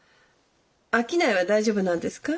商いは大丈夫なんですか？